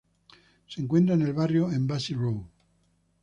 Se encuentra en el barrio Embassy Row.